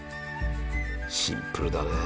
シンプルだね